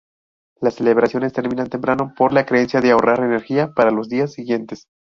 Las celebraciones terminan temprano por la creencia de ahorrar energía para los días siguientes.